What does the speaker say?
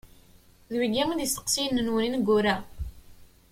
D wigi i d isteqsiyen-nwen ineggura?